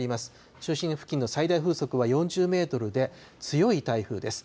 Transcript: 中心付近の最大風速は４０メートルで、強い台風です。